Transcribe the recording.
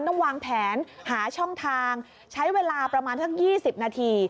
ต้องวางแผนหาช่องทางใช้เวลาประมาณสัก๒๐นาที